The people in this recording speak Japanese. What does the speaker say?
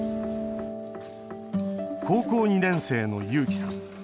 高校２年生の優輝さん。